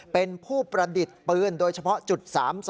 เป็นผู้ประดิษฐ์ปืนโดยเฉพาะจุด๓๒